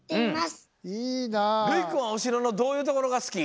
るいくんはお城のどういうところが好き？